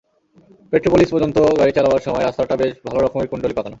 Petropolis পর্যন্ত গাড়ি চালাবার সময়, রাস্তাটা বেশ ভালো রকমের কুণ্ডলী পাকানো।